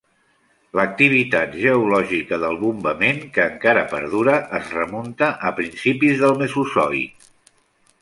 L'activitat geològica del bombament, que encara perdura, es remunta a principis del Mesozoic.